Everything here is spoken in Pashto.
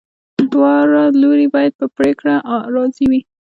دواړه لوري باید په پریکړه راضي وي.